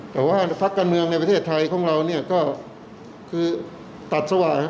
แต่ว่าพักการเมืองในประเทศไทยของเราเนี่ยก็คือตัดสว่าง